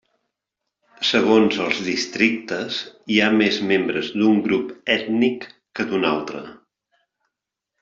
Segons els districtes, hi ha més membres d'un grup ètnic que d'un altre.